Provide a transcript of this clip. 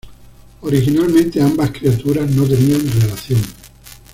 Originalmente ambas criaturas no tenían relación.